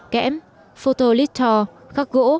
kẽm photolitho khắc gỗ